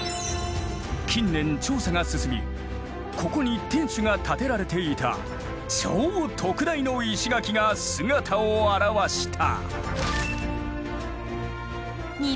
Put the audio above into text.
近年調査が進みここに天守が建てられていた超特大の石垣が姿を現した。